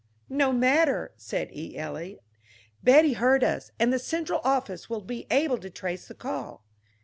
"No matter," said E. Eliot. "Betty heard us, and the central office will be able to trace the call."